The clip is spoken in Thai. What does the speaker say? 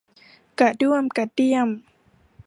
กระด้วมกระเดี้ยม